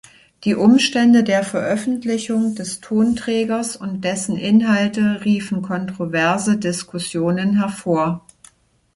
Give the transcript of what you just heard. Die Umstände der Veröffentlichung des Tonträgers und dessen Inhalte riefen kontroverse Diskussionen hervor.